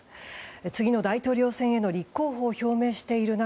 次の大統領選への立候補を表明している中